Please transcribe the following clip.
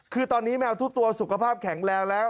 คือตอนนี้แมวทุกตัวสุขภาพแข็งแรงแล้ว